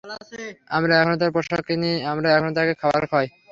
আমরা এখনও তার পোশাক কিনি, আমার এখনও তাকে খাবার খাওয়াই।